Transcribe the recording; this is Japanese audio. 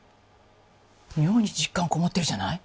妙に実感込もってるじゃない。